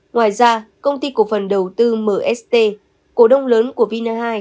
ngoài ra công ty cổ phần đầu tư mst cổ đông lớn của vina hai